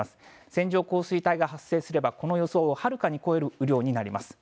線状降水帯が発生すれば、この予想をはるかに超える雨量になります。